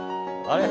あれ？